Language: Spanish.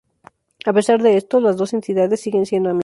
A pesar de esto, las dos entidades siguen siendo amigos.